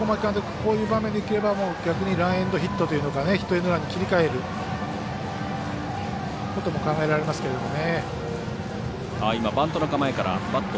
こういう場面でいければ逆にランエンドヒットかヒットエンドランに切り替えることも考えられますけどね。